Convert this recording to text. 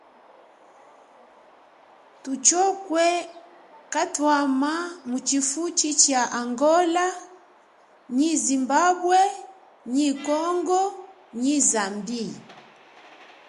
Thutshokwe katwama mu chifuchi cha Angola nyi Zimbabwe nyi Congo nyi Zambie.